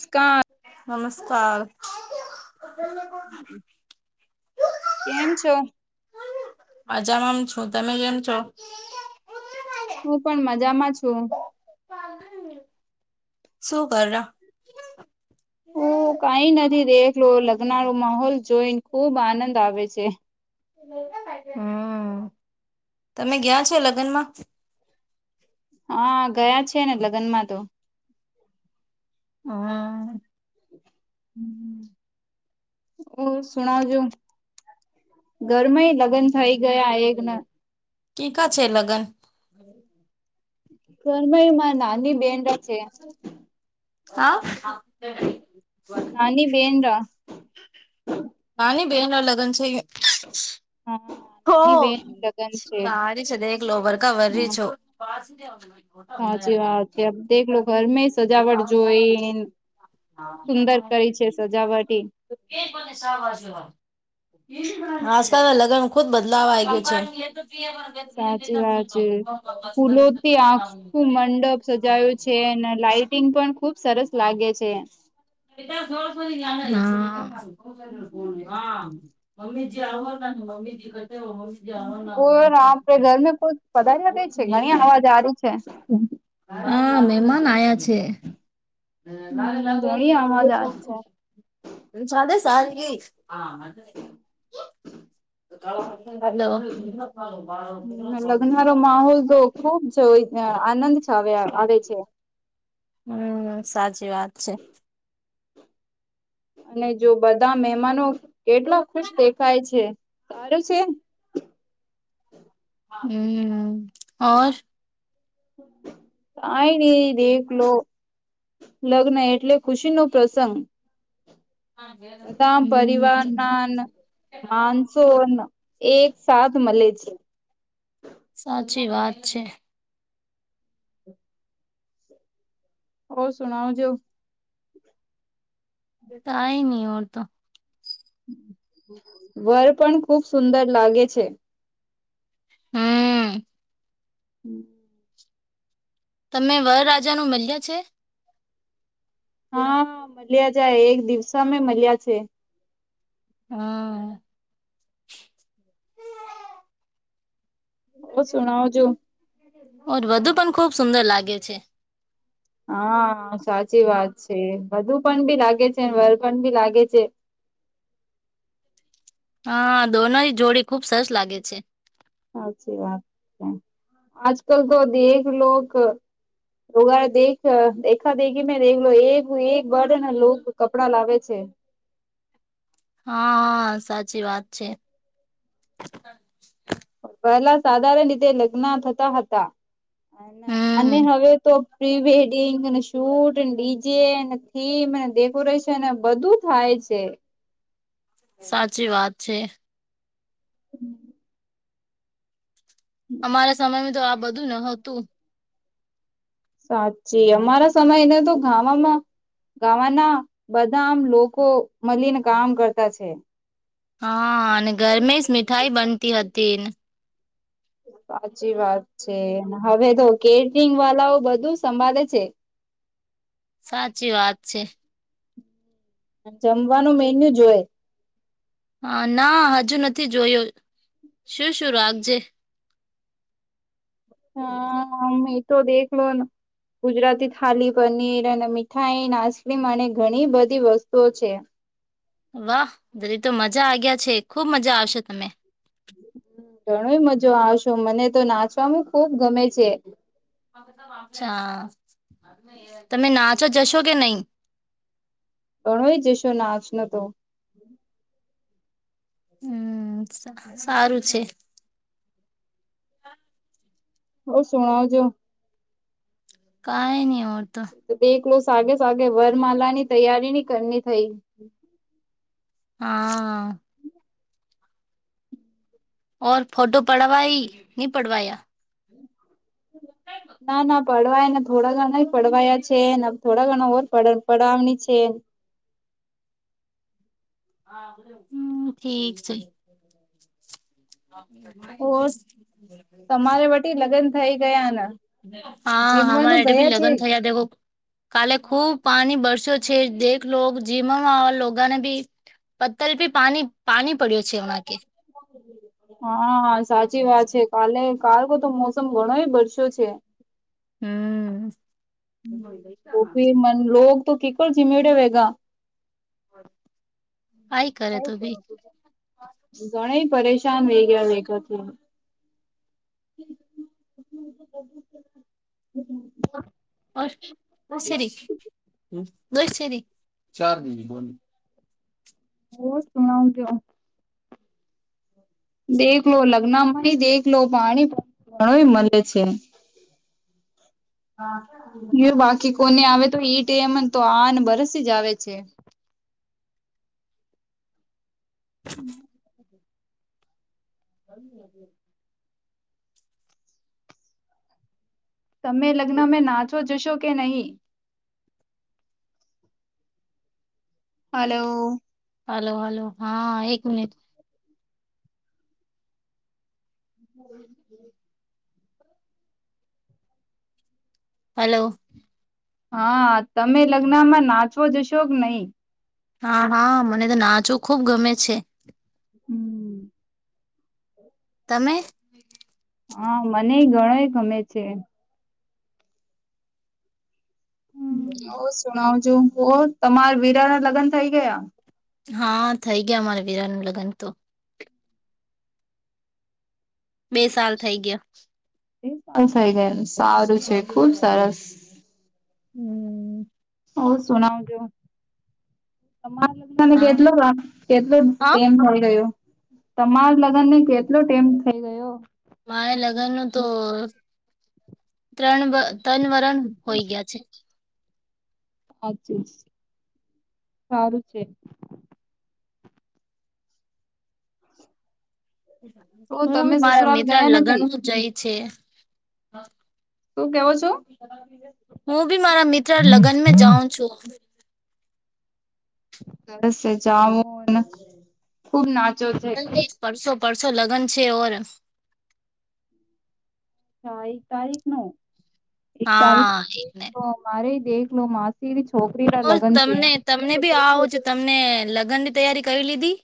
સ્કા નમસ્કાર. કેમ છો [inaudible] અજામમ છું તમે કેમ છો. છો. શું કરો. ઓ કઈ નથ થી દેખલો લગ્નાનો માહોલ જોઈને ખૂબ આનંદ આવે છે. હમ તમે ગયા છો લગનમાં? હા ગયા છેને લગનમાં તો. હમ હમ ઓર સુણાવજો ઘરમાંએ લગન થઈ ગયા એક ન કી કા છે લગન. ઘરમાં એમા નાની બેન છે અ નાની બેન રા નાની બહેનના લગન છે હા હો નાની બેન લગન છે તારી છે દેખ લો. હા [unintelligible] સાચી વાત છે દેખલો ઘરમે સજાવટ જોઈન સુંદર કરી છે સજાવટી. [unintelligible] હાસકા લગ્ન ખુદ બધ લાવ આઈ ગઈ છે. સાચી વાત છે. ફૂલોથી આખું મંડપ સજાયું છે. ને લાાઈટિંગ પણ ખુબ સરસ લાગે છે. હા [unintelligible] ઓર આપડે ઘર મે કો પધારી છે? ઘણી અવાજ આ રહી છે. હા મેમાન આયા છે. હમ ઘણી અવાજ આ રહી છે. [unintelligible] [unintelligible] હાલો. લગ્નનો માહોલ તો ખુબ છે ત્યાં. આનંદ છા આવે છે. હમ. સાચી વાત છે. અને જો બધા મહેમાનો કેટલા ખુશ દેખાય છે. સારું છે? હમ ઓર. કાઈ નય દેખ લો. લગ્ન એટલે ખુશીનો પ્રસંગ. બધામ પરિવારનાન માનસોન એકસાથ મલે છે. સાચી વાત છે. ઓર સુનાઓ જો. કાઇ નય ઓર તો. વર પણ ખુબ સુંદર લાગે છે. હમ. [inaudible] તમે વર રાજાનું મલ્યા છે? હા મલ્યા જાય. એક દિવસે અમે મલ્યા છે. હા. ઓ સુણાવજો ઓર વધુ પણ ખુબ સુંદર લાગે છે. હા સાચી વાત છે. વધુ પણ ભી લાગે છે ને વર પણ ભી લાગે છે. હા દોનોની જોડી ખુબ સરસ લાગે છે. સાચી વાત છે આજ કલ કો દેખ લોક [unintelligible] દેખ દેખા દેખી મે દેખલો એક એક બડને લોગ કપડા લાવે છે. એ હા સાચી વાત છે. પહેલા સાધારણ રીતે લગ્ન થતા હતા. અને અને હમ હવે તો પ્રી વેડિંગ ને શૂ શૂટિંગ ડિઝે ને થીમ ડેકોરેશન ને બધું જ થાય છે. સાચી વાત છે. [inaudible] અમારા સમયમાં તો આ બધું ન હતું. સાચી અમારા સમયને તો ગાવા માં ગાવાના બધામ લોકો મલીને કામ કરતા છે. હા ને ઘરમે જ મીઠાઈ બનતી હતી ને [inaudible] સાચી વાત છે હવે તો કેટરિંગ વાલાઓ બધું સંભાળે છે. [inaudible] સાચી વાત છે. જમવાનું મેન્યુ જોય હા ના હજુ નથી જોયો શું શું રાખજે હા મે તો દેખલો ગુજરાતી થાલી પનીર અને મીઠાઈ ને આઈસ્ક્રીમ અને ઘણી બધી વસ્તુઓ છે. [inaudible] વાહ દરે તો મજા આ ગયા છે ખુબ મજા આવશે તમે. ઘણો મજો આવશો મને તો નાચવાવામાં ખુબ ગમે છે. અચ્છા તમે નાચો જશો કે નહી. ઘણોય જસો નાચ ને તો. હમ્મ સારું છે. ઓ સોના જો કઈ ની હો તો દેખ લોસ સાગે સાગે વરમાલા ની તૈયારી ની કર ની થઈ. હા. ઓર ફોટો પડવાઈ ની પડવાયા. ના ના પડવાયને થોડા ઘણા જ પડવાયા છે ને થોડા ઘણા ઓર પડ પડવાની છે. હમ્મ ઠીક છે. ઓ તમારે વટી [inaudible] લગ્ન થઈ ગયા આના. હા હમારે એટલે ભી લગ્ન થયા દેખો કાલે ખુબ પાણી બરસ્યો છે દેખ લોગ જીવણમા લોગાન બી પત્તર પી પાણી પાણી પડ્યો છે ઓના કે હા સાચી વાત છે કાલે કાલતો તો મોસમ ઘણોય બરસ્યો છે. હમ્મ. હું પી મન લોગ તો કી કુલ કિમેડે વેગ. [unintelligible] કરે તો ભી ઘણી પરેશાન વેગયા વેગાતે. [inaudible] ઓર દુસરીખ દુસરીખ ચાર દિન બો હો [unintelligible] ત્યોં. દેખલો લગ્ન માંથી દેખલો પાણી ઘણું મળે છે એ બાકી કોને આવે તો ઈ મને તો આને બરસ જ આવે છે [unintelligible] હમ્મ. [unintelligible] તમે લગ્નમાં નાચો જશો કે નહી હલો હલો હલો હા એક મિનિટ [unintelligible] હલો હા તમે લગ્ન માં નાચવો જશો કે નહી હા હા મને તો નાચો ખુબ ગમે છે હમ્મ તમે હા. મને ગણો એ ગમે છે. ઓ સુણાવજું તમાર વીરા ના લગ્ન થઇ ગયા. હા થઈ ગયા અમારે વીરા નું લગ્ન તો બે સાલ થઈ ગયા. [unintelligible] ગયા સારું છે ખુબ સરસ. હમ્મ. ઓ સુનાવજો તમારા [unintelligible] હા કેટલો કેટલો હા ટેમ હોય ગ્યો તમાર લગ્ન ને કેટલો ટેમ થઇ ગયો. મારે લગ્ન નું તો ત્રણ-ત્રણ વરણ હોય ગયા છે હચ સારું છે. તો હું તમે મારા સસુરાલ મિત્ર ગયા નથી લગ્નવું જઈ છે. હુ કેવો છો. હું બી મારા મિત્ર લગ્નમાં જાઉં છું. બસ જઉન ખુબ નાચ [unintelligible] પરસો પરસો લગ્ન છે ઓર [unintelligible] એક તારીખ નો એક તારીખ હા એકને તો મારે એકનો માર થેરિજ ઓ તમને તમને બી આવો જ તમને લ ગનની તૈયારી કરી લીધી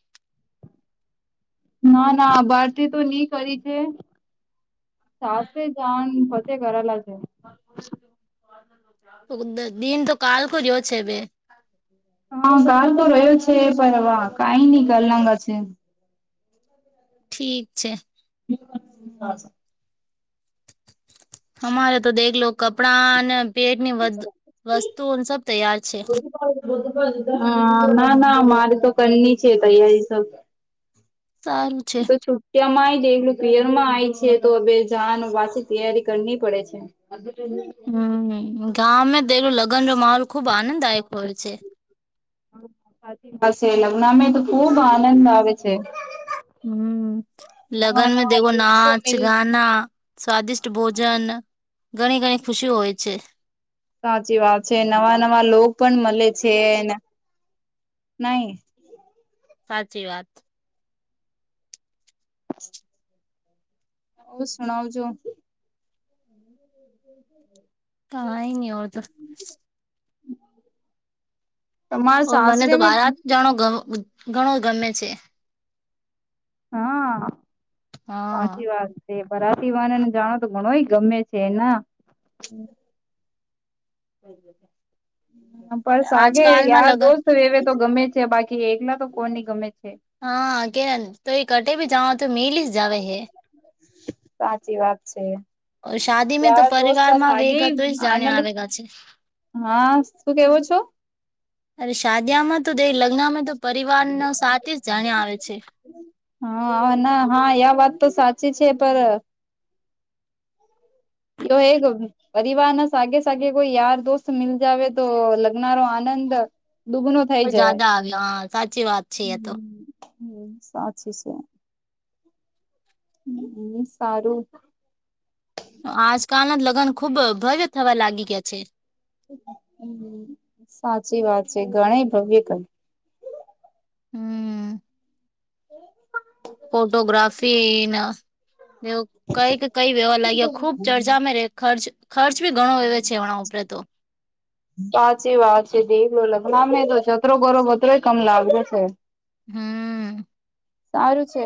ના ના આ બાર તો નહી કરી છે ચ જાણ. [unintelligible] દિન તો કાલ રહ્યો છે બેન હા ગાલ તો રહ્યો છે પર હ વા કઈ નઈ ગ લંગા છે. ઠીક છે. [inaudible] હમારે તો દેખલો લો કપડા અને પેટની વસ-વસ્તુઓ સબ તૈયાર છે. [unintelligible] હ ના ના મારે તો કરની છે. તૈયારી સબ સારું છે તો છુટિયામાં પિરમાં આવીય છે. તો હવે જાવાનું તૈયારી કરની પડે છે. હમ ગામે તેલ લગ્નનો માહોલ ખુબ આનંદદાયક હોય છે. સાચી પા લગ્નમાં તો ખુબ આનંદ આવે છે. હમ્મ. નવા લગન મે દેખો નવા સો નાચ મિલ ગનાા સ્વાદિષ્ટ ભોજન ઘણી ઘણી ખુશી હોય છે. સાચી વાત છે. નવા નવા લો પણ મળે છેને. નહી. સાચી વાત. ઓ સુનાઓ જો કંઈ નહી હવે તો તમારા ઓ મને સાસરે તો મે બારત જ જણો ઘણો ગમે છે. હા હા સાચી વાત છે બરા [unintelligible] જાણો તો ઘણોય ગમે છે એના [inaudible] બસ આગે આજકાલમાં યાર લગન દોસ્ત વેવે તો ગમે છે બાકી એકલા તો કોની ગમે છે. હા કે તું કટે ભી જવા તો મીલી જ જાવ હે. સાચી વાત છે. શાદી મેં તો યાર દોસ્ત પરિવાર માં વેગ સાગી હતો જ જાણે આનંદ આવેગા છે. હા શું કે કેવો છો? અરે સાદીયામાં તો તે લગ્નમાં તો પરિવારનો સાથે જ જાણ્યા આવે છે. હા ના હા આ વાત તો સાચી છે પર તો એક પરિવાર ના સાગે સાગે કોઈ યાર દોસ્ત મિલ જવે તો લગનારો આનંદ દુગનો થઈ જહે. જ્યાદા આવ્યા હા સાચી વાત છે એ તો હમ્મ સાચી છે. હમ્મ સારું. આજકાલના લગ્ન ખુબ ભવ્ય થવા લાગી ગયા છે. સાચી વાત છે ઘણ ભવ્ય ક હમ્મ. ફોટોગ્રાફી ના એવું કઈ કે કઈ વેહ લાગ્યા ખુબ ચર્ચામાં રે ખર્ચ ખર્ચ બી ઘણો આવે છે હમણાં ઉપરે તો સાચી વાત છે જી દેલો લગ્નમે હાંભે તો છતરો કર પત્રય કમ લાવ્યો છે. હમ્મ. સારું છે.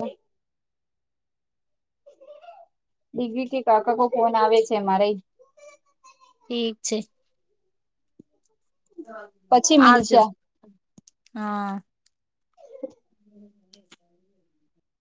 દીગરી કે કાકાકો ફોન આવે છે મારે ઠીક છે. પછી આવજો મિલશે હા. હ [unintelligible] હ [inaudible]